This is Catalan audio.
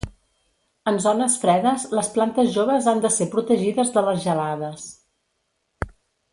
En zones fredes les plantes joves han de ser protegides de les gelades.